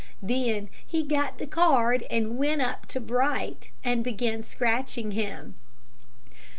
Then he got the card and went up to Bright, and began scratching him.